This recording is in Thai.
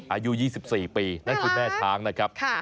อายุ๒๔ปีนั่นคุณแม่ช้างนะครับ